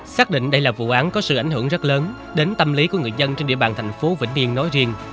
xác định đây là vụ án có sự ảnh hưởng rất lớn đến tâm lý của người dân trên địa bàn thành phố vĩnh điền nói riêng